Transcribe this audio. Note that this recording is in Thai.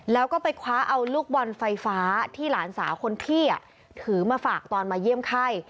แล้วก็ไปคว้าเอาลูกบอลไฟฟ้าที่หลานสาวคนพี่ถือมาฝากตอนมาเยี่ยมไข้